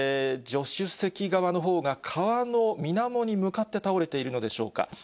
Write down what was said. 助手席側のほうが川のみなもに向かって倒れているのでしょうか。